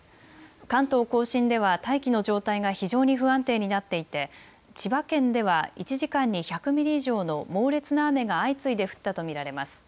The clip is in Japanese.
関東甲信では大気の状態が非常に不安定になっていて千葉県では１時間に１００ミリ以上の猛烈な雨が相次いで降ったと見られます。